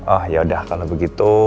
oh yaudah kalau begitu